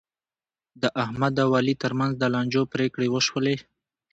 د احمد او علي ترمنځ د لانجو پرېکړې وشولې.